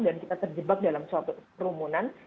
dan kita terjebak dalam suatu kerumunan